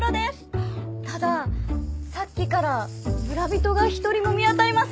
たださっきから村人が一人も見当たりませんね。